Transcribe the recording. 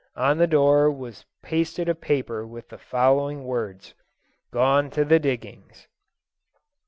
On the door was pasted a paper with the following words, "Gone to the diggings."